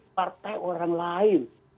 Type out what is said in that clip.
partai orang lain